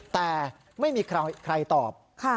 แต่ไม่มีใครตอบ